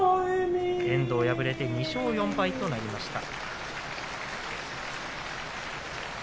遠藤敗れて２勝４敗となりました。